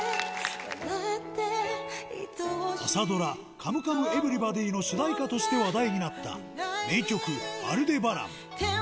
朝ドラ、カムカムエヴリバディの主題歌として話題になった名曲、アルデバラン。